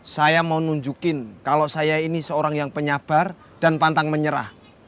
saya mau nunjukin kalau saya ini seorang yang penyabar dan pantang menyerah